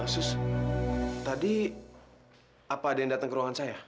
sus tadi apa ada yang datang ke ruangan saya